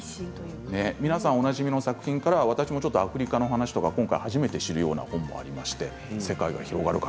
皆さんおなじみの作品とかアフリカの作品とか私も初めて知るものもありまして世界が広がる。